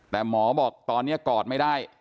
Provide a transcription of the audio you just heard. แต่หมอบอกตอนนี้กอดไม่ได้